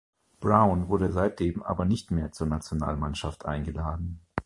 Brown wurde seitdem aber nicht mehr zur Nationalmannschaft eingeladen.